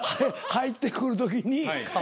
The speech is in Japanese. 入ってくるときに。